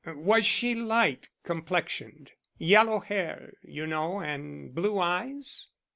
Was she light complexioned? Yellow hair, you know, and blue eyes?"